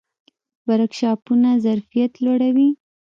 ورکشاپونه ظرفیت لوړوي